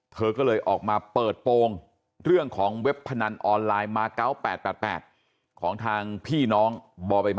เธอก็เลยออกมาเปิดโปรงเรื่องของเว็บพนันออนไลน์มา๙๘๘ของทางพี่น้องบใบม